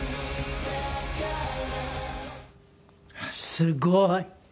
すごい。